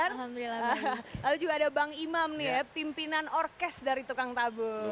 alhamdulillah lalu juga ada bang imam nih ya pimpinan orkes dari tukang tabu